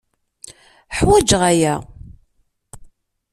Ḥwajeɣ aya.